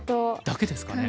だけですかね？